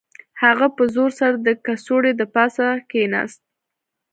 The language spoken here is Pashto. هغه په زور سره د کڅوړې د پاسه کښیناست